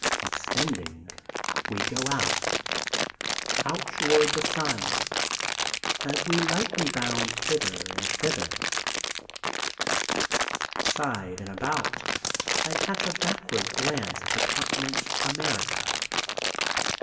Extending, we go out, out toward the sun. As we lightly bound hither and thither, side and about, I catch a backward glance of the continent America.